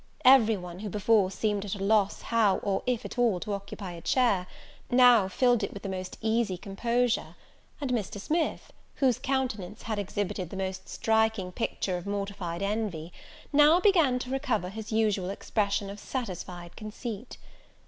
Every one, who before seemed at a loss how or if at all, to occupy a chair, how filled it with the most easy composure: and Mr. Smith, whose countenance had exhibited the most striking picture of mortified envy, now began to recover his usual expression of satisfied conceit.